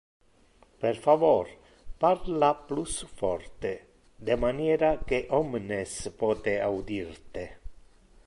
Per favor parla plus forte de maniera que omnes pote audir te.